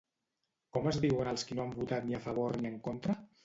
Com es diuen els qui no han votat ni a favor ni en contra?